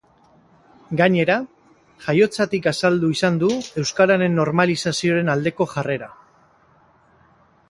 Gainera, jaiotzatik azaldu izan du euskararen normalizazioaren aldeko jarrera.